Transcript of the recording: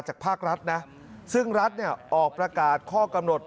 จากภาครัฐซึ่งรัฐออกประกาศข้อกำหนด